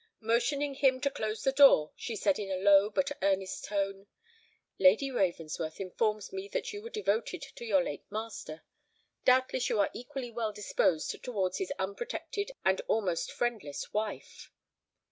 Motioning him to close the door, she said in a low but earnest tone, "Lady Ravensworth informs me that you were devoted to your late master: doubtless you are equally well disposed towards his unprotected and almost friendless wife?"